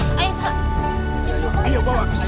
ayo bawa aku sayang masuk ke dalam